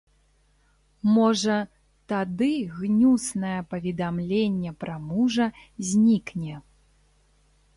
Можа, тады гнюснае паведамленне пра мужа знікне.